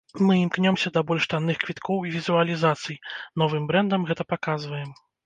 Мы імкнёмся да больш танных квіткоў і візуалізацый, новым брэндам, гэта паказваем.